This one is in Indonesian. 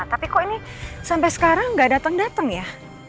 tapi kok ini sampai sekarang gak dateng dateng ya